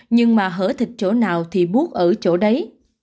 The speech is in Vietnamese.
nhưng mà hở thịt chỗ nào thì bút ở chỗ đấy